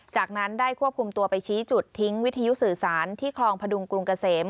จากนั้นได้ควบคุมตัวไปชี้จุดทิ้งวิทยุสื่อสารที่คลองพดุงกรุงเกษม